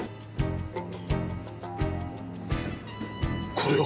これは！？